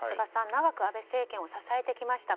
長く安倍政権を支えてきました。